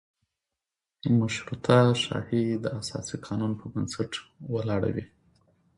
مشروطه شاهي د اساسي قانون په بنسټ ولاړه وي.